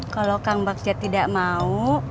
kalo kang bakja tidak mau